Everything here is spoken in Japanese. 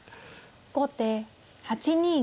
後手８二銀。